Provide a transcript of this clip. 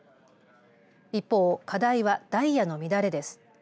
一方、課題はダイヤの乱れです。